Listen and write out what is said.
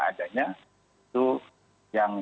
adanya itu yang